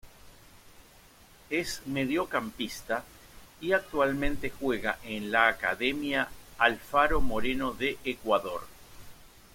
Es mediocampista y actualmente juega en la Academia Alfaro Moreno de Ecuador.